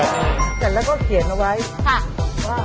เสร็จแล้วก็เขียนเอาไว้ค่ะว่า